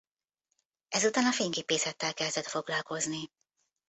Ezután a fényképészettel kezdett foglalkozni.